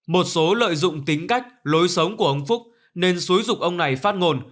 một số lợi dụng tính cách lối sống của ông phúc nên xúi dục ông này phát ngôn